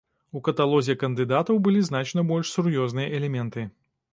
У каталозе кандыдатаў былі значна больш сур'ёзныя элементы.